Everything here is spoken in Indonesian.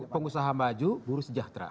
pengusaha maju buruh sejahtera